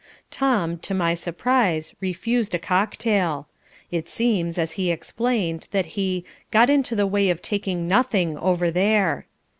Tom, to my surprise, refused a cocktail. It seems, as he explained, that he "got into the way of taking nothing over there."